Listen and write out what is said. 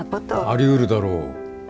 ありうるだろう。